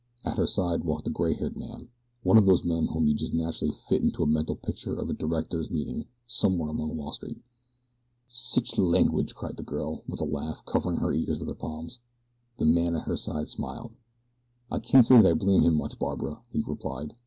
At her side walked a gray haired man one of those men whom you just naturally fit into a mental picture of a director's meeting somewhere along Wall Street. "Sich langwidge!" cried the girl, with a laugh, covering her ears with her palms. The man at her side smiled. "I can't say that I blame him much, Barbara," he replied.